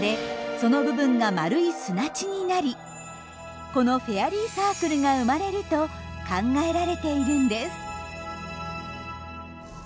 その部分が丸い砂地になりこのフェアリー・サークルが生まれると考えられているんです。